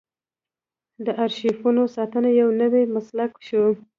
د ارشیفونو ساتنه یو نوی مسلک شو.